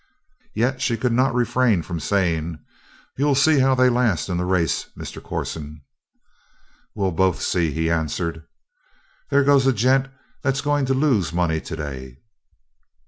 Yet she could not refrain from saying: "You'll see how they last in the race, Mr. Corson." "We'll both see," he answered. "There goes a gent that's going to lose money today!"